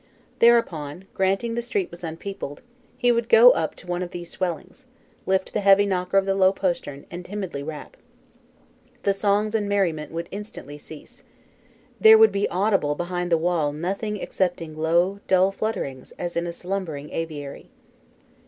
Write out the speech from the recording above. Thereupon, granting the street was unpeopled, he would go up to one of these dwellings, lift the heavy knocker of the low postern, and timidly rap. The songs and merriment would instantly cease. There would be audible behind the wall nothing excepting low, dull flutterings as in a slumbering aviary.